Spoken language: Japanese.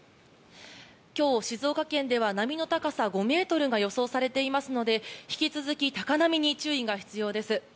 今日、静岡県では波の高さ５ｍが予想されていますので引き続き高波に注意が必要です。